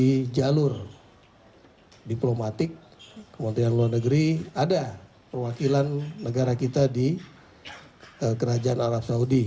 di jalur diplomatik kementerian luar negeri ada perwakilan negara kita di kerajaan arab saudi